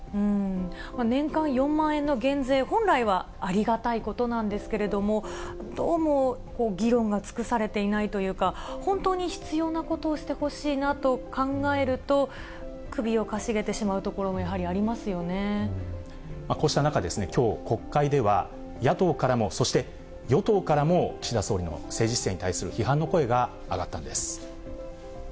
年間４万円の減税、本来はありがたいことなんですけれども、どうも議論が尽くされていないというか、本当に必要なことをしてほしいなと考えると、首をかしげてしまうこうした中、きょう国会では野党からも、そして与党からも、岸田総理の政治姿勢に対する批判の声が上がったんです。